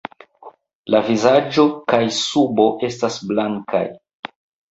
La vizaĝo kaj subo estas blankaj.